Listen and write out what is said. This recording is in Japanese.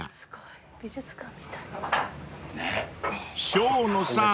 ［生野さん